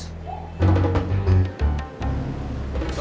teleponnya udah dulu